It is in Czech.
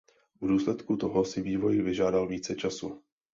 V důsledku toho si vývoj vyžádal více času.